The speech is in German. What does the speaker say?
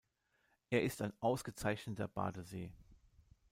Er ist ein ausgezeichneter Badesee.